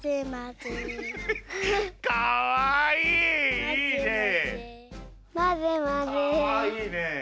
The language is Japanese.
かわいいね。